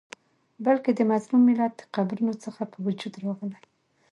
بلکي د مظلوم ملت د قبرونو څخه په وجود راغلی